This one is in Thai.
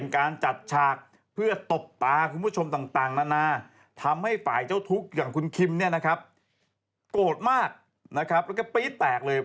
โกรธมากนะครับแล้วก็ปี๊ดแตกเลย